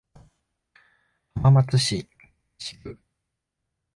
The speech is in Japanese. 浜松市西区